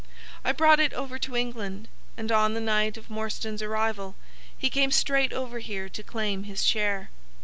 I brought it over to England, and on the night of Morstan's arrival he came straight over here to claim his share.